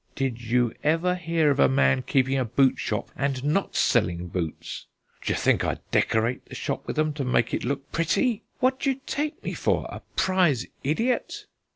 Did you ever hear of a man keeping a boot shop and not selling boots? D'ye think I decorate the shop with 'em to make it look pretty? What d'ye take me for a prize idiot?"